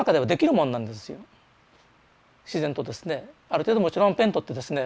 ある程度もちろんペンとってですね